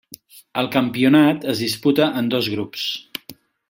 El campionat es disputa en dos grups.